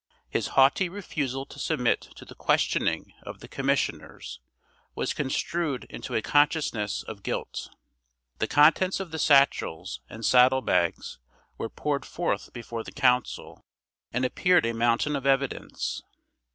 His haughty refusal to submit to the questioning of the commissioners was construed into a consciousness of guilt. The contents of the satchels and saddle bags were poured forth before the council, and appeared a mountain of evidence.